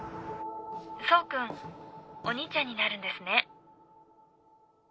爽君お兄ちゃんになるんですね。